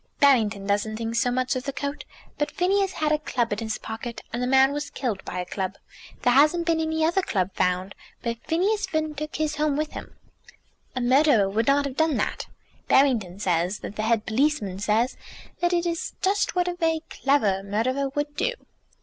"Barrington doesn't think so much of the coat. But Phineas had a club in his pocket, and the man was killed by a club. There hasn't been any other club found, but Phineas Finn took his home with him." "A murderer would not have done that." "Barrington says that the head policeman says that it is just what a very clever murderer would do."